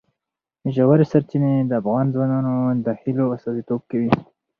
ژورې سرچینې د افغان ځوانانو د هیلو استازیتوب کوي.